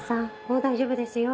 もう大丈夫ですよ。